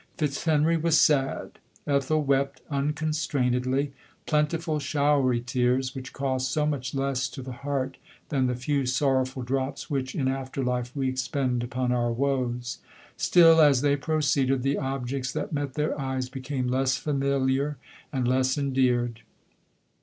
Fitzhenry was sad. Ethel wept, unconstrainedlv, plentiful showery tears, which cost so much less to the heart, than the few sorrowful drops which, in after life, we expend upon our woes. Still as they proceeded the objects that met their eyes became less familiar and le*> endeared.